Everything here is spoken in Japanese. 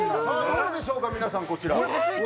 どうでしょうか皆さんこちらえっすごい！